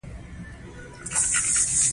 دلته یو کوچنی چوک دی.